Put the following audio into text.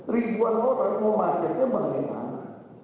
ribuan orang mau macetnya bagaimana